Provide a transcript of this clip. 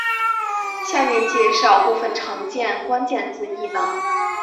下面介绍部分常见的关键字异能。